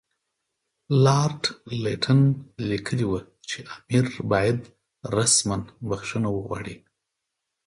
لارډ لیټن لیکلي وو چې امیر باید رسماً بخښنه وغواړي.